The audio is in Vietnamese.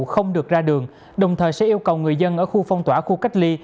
không được ra đường đồng thời sẽ yêu cầu người dân ở khu phong tỏa khu cách ly